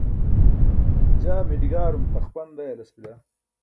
jaa miḍigaarum taxpan dayalas bila